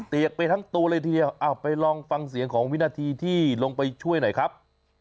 กไปทั้งตัวเลยทีเดียวไปลองฟังเสียงของวินาทีที่ลงไปช่วยหน่อยครับ